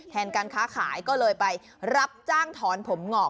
การค้าขายก็เลยไปรับจ้างถอนผมงอก